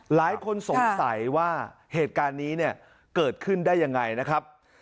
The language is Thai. หลายคนสงสัยว่าเหตุการณ์นี้เนี่ยเกิดขึ้นได้ยังไงนะครับ